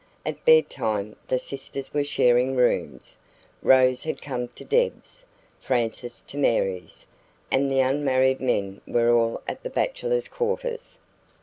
At bed time the sisters were sharing rooms; Rose had come to Deb's, Frances to Mary's; and the unmarried men were all at the bachelors' quarters.